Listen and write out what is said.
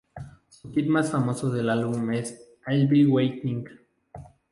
Su hit más famoso del álbum es "I'll be Waiting".